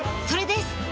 それです！